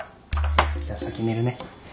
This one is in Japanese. じゃあ先寝るね。